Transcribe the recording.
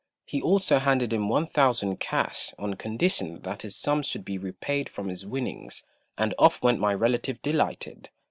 He also handed him 1000 cash, on condition that this sum should be repaid from his winnings, and off went my relative delighted.